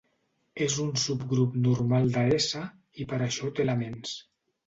És un subgrup normal de S, i per això té elements.